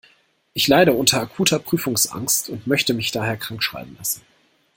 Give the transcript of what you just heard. Ich leide unter akuter Prüfungsangst und möchte mich daher krankschreiben lassen.